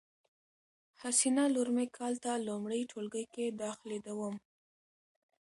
حسینه لور می کال ته لمړی ټولګي کی داخلیدوم